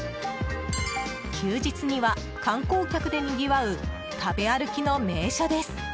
休日には観光客でにぎわう食べ歩きの名所です。